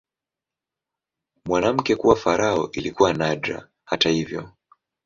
Mwanamke kuwa farao ilikuwa nadra, hata hivyo.